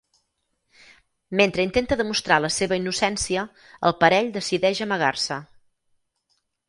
Mentre intenta demostrar la seva innocència, el parell decideix amagar-se.